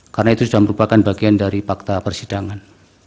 karena itu sudah merupakan bagian dari fakta persidangan